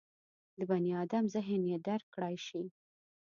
د بني ادم ذهن یې درک کړای شي.